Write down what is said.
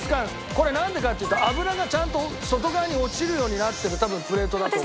これなんでかっていうと脂がちゃんと外側に落ちるようになってる多分プレートだと思う。